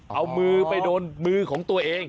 เอามือไปโดนมือของตัวเอง